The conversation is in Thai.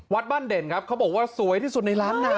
วัดบ้านเด่นครับเขาบอกว่าสวยที่สุดในล้านนา